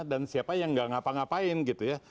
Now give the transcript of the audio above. dan siapa yang gak ngapa ngapain gitu ya